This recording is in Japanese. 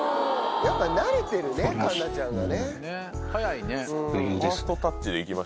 やっぱなれてるね環奈ちゃんがね。